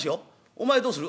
「お前どうする？」。